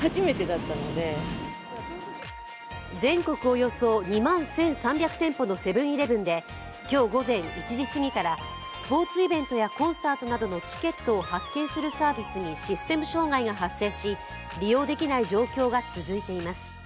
およそ２万１３００店舗のセブン−イレブンで今日午前１時すぎからスポーツイベントやコンサートなどのチケットを発券するサービスにシステム障害が発生し、利用できない状況が続いています。